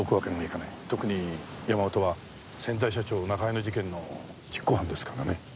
特に山本は先代社長中井の事件の実行犯ですからね。